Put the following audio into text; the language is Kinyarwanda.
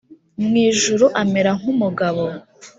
mu ijuru amera nk’umugabo